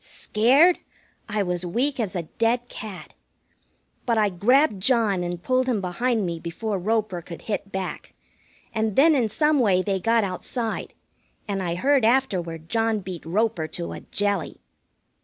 Scared? I was weak as a dead cat. But I grabbed John and pulled him behind me before Roper could hit back, and then in some way they got outside, and I heard afterward John beat Roper to a jelly.